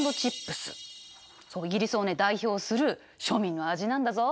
イギリスをね代表する庶民の味なんだぞ。